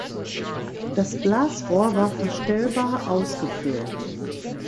Das Blasrohr war verstellbar ausgeführt.